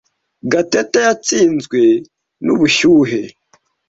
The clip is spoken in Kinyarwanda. Gatete yatsinzwe nubushyuhe.